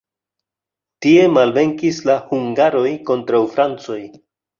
Tie malvenkis la hungaroj kontraŭ francoj.